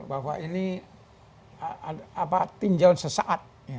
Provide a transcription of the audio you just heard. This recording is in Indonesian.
bahwa ini tinjauan sesaat